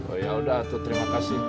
oh ya udah tuh terima kasih